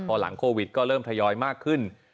พอหลังโควิดก็เริ่มทยอยมากขึ้น